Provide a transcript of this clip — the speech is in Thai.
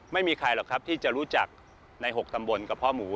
ไม่มีใครหรอกครับที่จะรู้จักใน๖ตำบลกับพ่อหมู